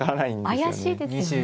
怪しいですよね。